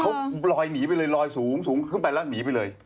เขาลอยหนีไปเลยลอยสูงสูงขึ้นไปแล้วหนีไปเลย